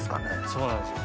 そうなんですよ。